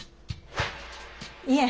いえ。